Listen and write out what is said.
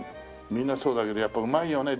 みんなそうだけどやっぱうまいよね